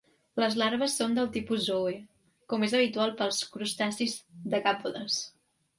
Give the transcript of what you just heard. Les larves són del tipus zoea, com és habitual pels crustacis decàpodes.